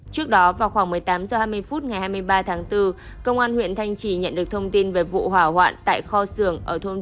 trước đó vào khoảng một mươi tám h hai mươi ngày hai mươi ba tháng bốn công an huyện thanh trì nhận được thông tin